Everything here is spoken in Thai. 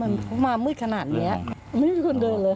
มันมามืดขนาดนี้ไม่มีคนเดินเลย